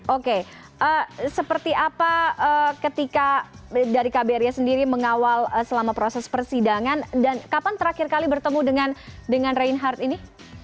oke seperti apa ketika dari kbri sendiri mengawal selama proses persidangan dan kapan terakhir kali bertemu dengan reinhardt ini